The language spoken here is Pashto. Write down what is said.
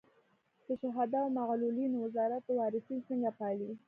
د شهدا او معلولینو وزارت وارثین څنګه پالي؟